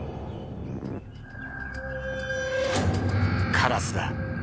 カラスだ。